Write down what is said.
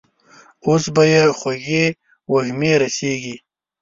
اوس به يې خوږې وږمې رسېږي.